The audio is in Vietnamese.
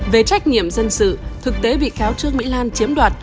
về trách nhiệm dân sự thực tế bị cáo trương mỹ lan chiếm đoạt